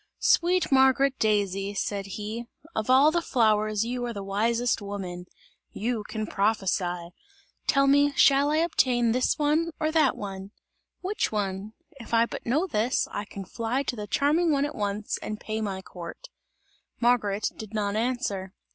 "Sweet Margaret Daisy," said he, "of all the flowers you are the wisest woman! You can prophesy! Tell me, shall I obtain this one or that one? Which one? If I but know this, I can fly to the charming one at once, and pay my court!" Margaret did not answer.